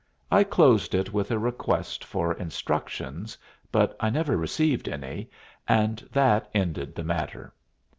I closed it with a request for instructions, but I never received any, and that ended the matter.